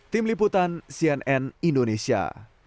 tim liputan cnn indonesia